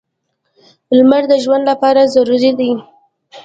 • لمر د ژوند لپاره ضروري دی.